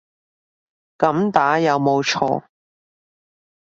噉打有冇錯